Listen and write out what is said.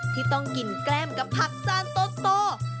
ที่ต้องกินแกล้มกับผักจานโต